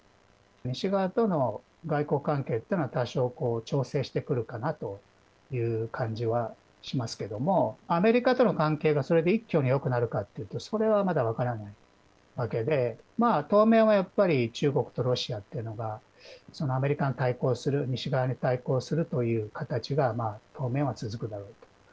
西側との外交関係っていうのは多少、こう調整してくるかなという感じはしますけどもアメリカとの関係がそれで一挙によくなるかっていうとそれは、まだ分からないわけで当面は、やっぱり中国とロシアというのがアメリカに対抗する西側に対抗するという形が当面は続くだろうと。